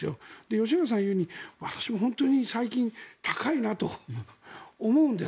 吉永さんが言うように私も本当に最近高いなと思うんです。